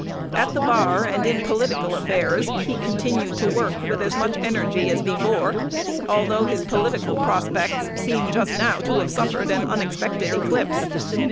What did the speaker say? At the bar and in political affairs he continued to work with as much energy as before, although his political prospects seem just now to have suffered an unexpected eclipse.